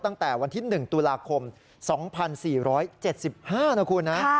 ตั้งแต่วันที่๑ตุลาคม๒๔๗๕นะคุณนะ